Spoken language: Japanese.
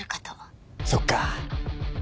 そっか。